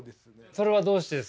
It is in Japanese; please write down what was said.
それはどうしてですか？